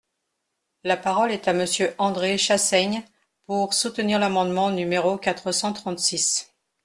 La parole est à Monsieur André Chassaigne, pour soutenir l’amendement numéro quatre cent trente-six.